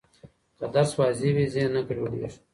که درس واضح وي، ذهن نه ګډوډېږي.